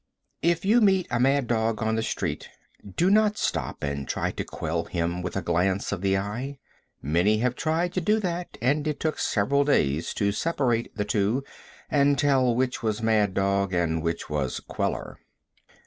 If you meet a mad dog on the street, do not stop and try to quell him with a glance of the eye. Many have tried to do that, and it took several days to separate the two and tell which was mad dog and which was queller.